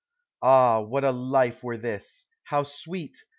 Ah, what a life were this! how sweet!